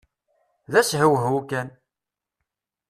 D ashewhew kan!